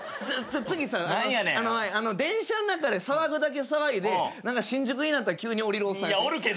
次さ電車の中で騒ぐだけ騒いで新宿になったら急に降りるおっさん。